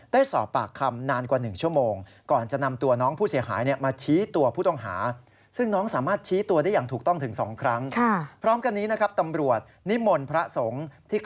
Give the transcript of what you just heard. ได้สอบปากคำนานกว่า๑ชั่วโมง